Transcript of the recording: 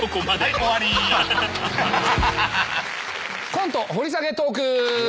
コント掘り下げトーク。